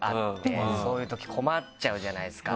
そういうとき困っちゃうじゃないですか。